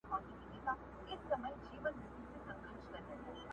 هر يوه يې افسانې بيانولې.!